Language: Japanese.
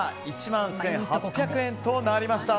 １万１８００円となりました。